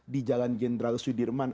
di jalan jenderal sudirman